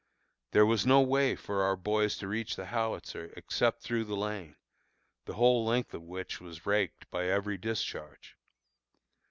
There was no way for our boys to reach the howitzer except through the lane, the whole length of which was raked by every discharge.